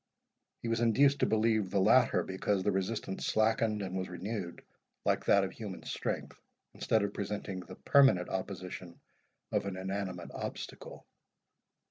He was induced to believe the latter, because the resistance slackened and was renewed, like that of human strength, instead of presenting the permanent opposition of an inanimate obstacle.